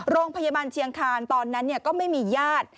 โรงพยาบาลเชียงคานตอนนั้นก็ไม่มีญาติ